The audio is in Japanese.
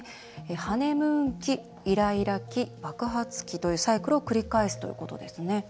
ハネムーン期、イライラ期バクハツ期というサイクルを繰り返すということですね。